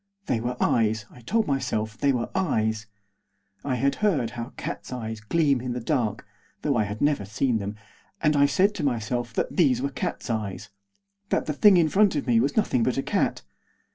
They were eyes, I told myself they were eyes. I had heard how cats' eyes gleam in the dark, though I had never seen them, and I said to myself that these were cats' eyes; that the thing in front of me was nothing but a cat.